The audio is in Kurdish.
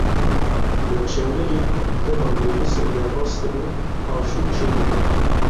Li Çewlîgê dema minîbûsek derbas dibû aşût çê bû.